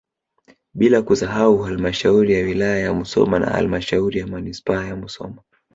Bila kusahau halmashauri ya wilaya ya Musoma na halmashauri ya manispaa ya Musoma